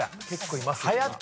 結構いますよ。